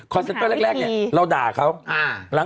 เซนเตอร์แรกเนี่ยเราด่าเขา